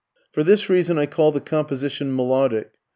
For this reason I call the composition melodic.